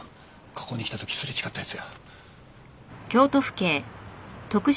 ここに来た時すれ違った奴や。